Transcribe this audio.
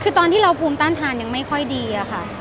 คือตอนที่เราภูมิต้านทานยังไม่ค่อยดีอะค่ะ